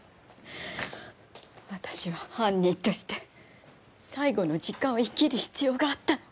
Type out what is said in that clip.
私は犯人として最後の時間を生きる必要があったの。